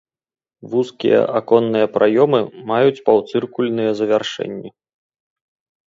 Вузкія аконныя праёмы маюць паўцыркульныя завяршэнні.